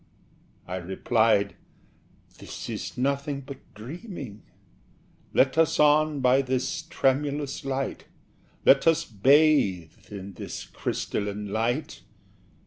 I replied "This is nothing but dreaming: Let us on by this tremulous light! Let us bathe in this crystalline light!